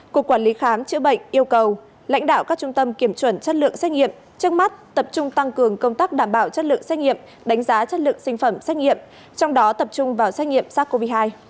cục quản lý khám chữa bệnh yêu cầu lãnh đạo các trung tâm kiểm chuẩn chất lượng xét nghiệm trước mắt tập trung tăng cường công tác đảm bảo chất lượng xét nghiệm đánh giá chất lượng sinh phẩm xét nghiệm trong đó tập trung vào xét nghiệm sars cov hai